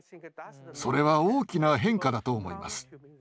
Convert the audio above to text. それは大きな変化だと思います。